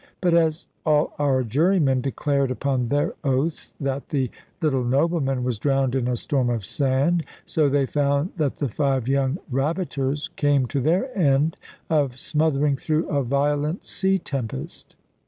But as all our jurymen declared upon their oaths that the little nobleman was drowned in a storm of sand, so they found that the five young rabbiters came to their end of smothering through a violent sea tempest.